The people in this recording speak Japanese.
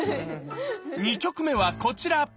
２曲目はこちら！